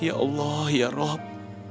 ya allah ya rabb